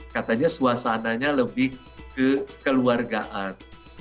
katanya suasananya lebih kekeluargaan